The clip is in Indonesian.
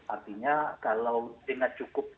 artinya kalau dengan cukup